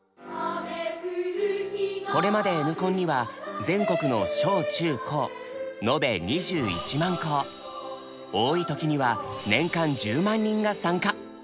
これまでＮコンには全国の小・中・高多い時には年間１０万人が参加。